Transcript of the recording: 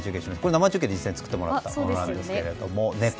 生中継で実際に作っていただいたものですが猫。